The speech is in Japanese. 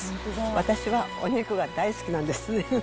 私は、お肉が大好きなんです。